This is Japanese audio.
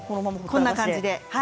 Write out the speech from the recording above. こんな感じです。